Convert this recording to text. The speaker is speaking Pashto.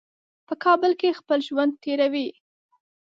په کابل کې خپل ژوند تېروي.